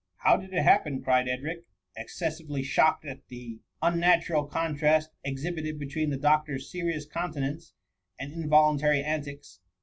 " How did it happen ?" cried Edric, exces sively shocked at the unnatural contrast exhi bited between the doctor's serious countenance, and involuntary antics.